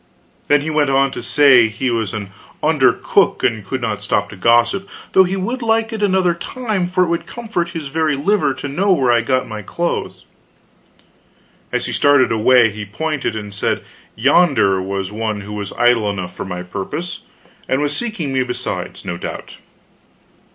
Then he went on to say he was an under cook and could not stop to gossip, though he would like it another time; for it would comfort his very liver to know where I got my clothes. As he started away he pointed and said yonder was one who was idle enough for my purpose, and was seeking me besides, no doubt.